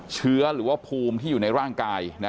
เชื้อหรือว่าภูมิที่อยู่ในร่างกาย